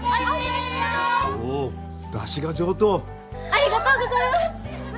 ありがとうございます！